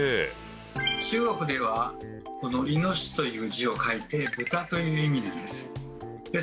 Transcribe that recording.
中国ではこの「猪」という字を書いて「豚」という意味なんです。